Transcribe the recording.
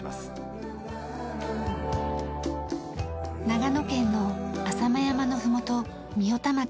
長野県の浅間山のふもと御代田町。